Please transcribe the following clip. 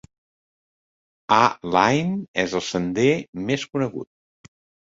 "A-Line" és el sender més conegut.